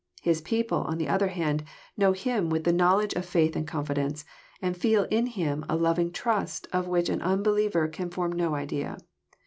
His people, on the other hand, know Him with the knowledge of faith itnd confidence, and feel in Him a loving trust of which an unbeliever can form no idea.